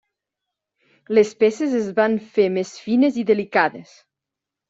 Les peces es van fer més fines i delicades.